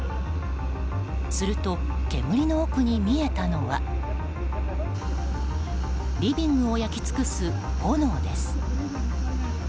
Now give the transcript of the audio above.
すると、煙の奥に見えたのはリビングを焼き尽くす炎です。